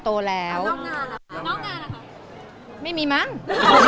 โตแล้วนอกงานละคะ